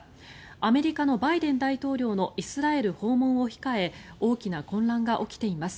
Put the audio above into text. アメリカのバイデン大統領のイスラエル訪問を控え大きな混乱が起きています。